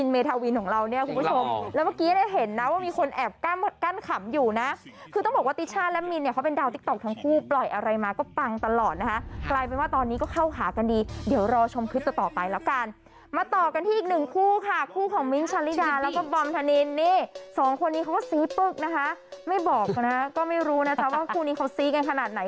ไม่บอกนะก็ไม่รู้นะครับว่าคู่นี้เขาซีกันขนาดไหน